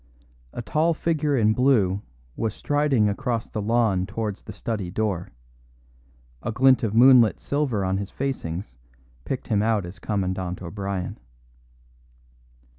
A tall figure in blue was striding across the lawn towards the study door; a glint of moonlit silver on his facings picked him out as Commandant O'Brien.